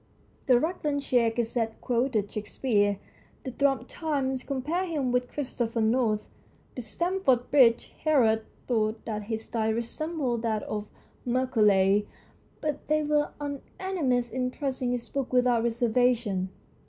The Rutlandshire Gazette quoted Shakespeare, the Thrums Times compared him with Christopher North, the Stamford bridge Herald thought that his style resembled that of Macaulay, but they were unanimous in praising his book without reservation.